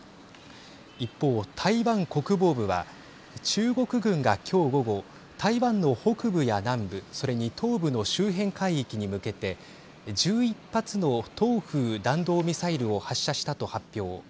一方、台湾国防部は中国軍が今日午後台湾の北部や南部それに東部の周辺海域に向けて１１発の東風弾道ミサイルを発射したと発表。